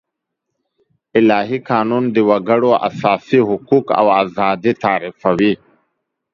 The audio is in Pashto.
الهي قانون د وګړو اساسي حقوق او آزادي تعريفوي.